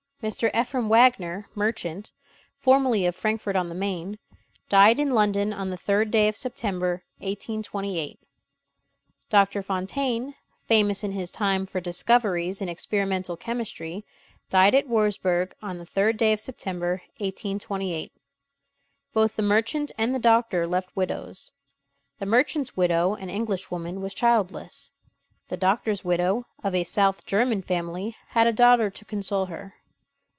Mr. Ephraim Wagner, merchant (formerly of Frankfort on the Main), died in London on the third day of September, 1828. Doctor Fontaine famous in his time for discoveries in experimental chemistry died at Wurzburg on the third day of September, 1828. Both the merchant and the doctor left widows. The merchant's widow (an Englishwoman) was childless. The doctor's widow (of a South German family) had a daughter to console her.